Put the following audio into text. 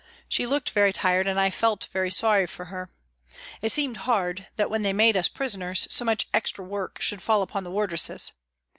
She looked very tired and I felt very sorry for her. It seemed hard that, when they made us prisoners, so much extra work should fall upon the wardresses.